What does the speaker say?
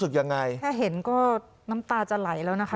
แค่เห็นก็น้ำตาจะไหลแล้วนะคะ